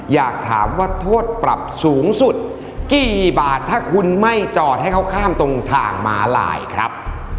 อยากถามว่าโทษปรับสูงสุดกี่บาทถ้าคุณไม่จอดให้เขาข้ามตรงทางม้าลายครับ